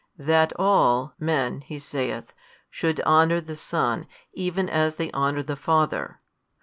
That all men (He saith) should honour the Son even as they honour the Father.